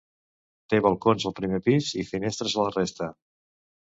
Té balcons al primer pis i finestres a la resta.